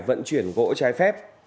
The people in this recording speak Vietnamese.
vận chuyển gỗ trái phép